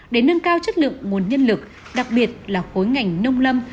để nâng cao chất lượng nguồn nhân lực đặc biệt là khối ngành nông lâm